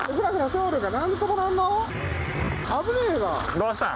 どうしたん？